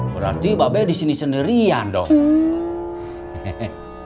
berarti mbak be disini sendirian dong